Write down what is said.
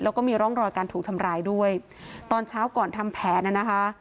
แล้วก็มีร่องรอยการถูกทำร้ายด้วยตอนเช้าก่อนทำแผนน่ะนะคะ